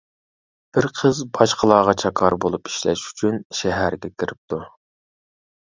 بىر قىز باشقىلارغا چاكار بولۇپ ئىشلەش ئۈچۈن شەھەرگە كىرىپتۇ.